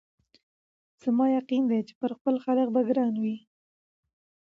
زما یقین دی چي پر خپل خالق به ګران یو